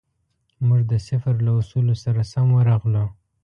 موږ د سفر له اصولو سره سم ورغلو.